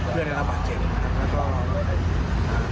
เพื่อรับป่าเจ็บ